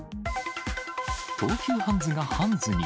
東急ハンズがハンズに。